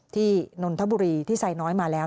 นนทบุรีที่ไซน้อยมาแล้ว